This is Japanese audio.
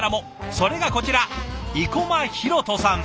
それがこちら生駒大翔さん。